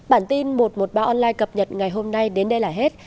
bản tin một trăm một mươi ba online cập nhật ngày hôm nay đến đây là hết